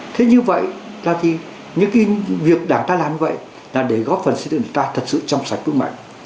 thế như vậy những việc đảng ta làm như vậy là để góp phần sự tựa người ta thật sự trong sạch vững mạnh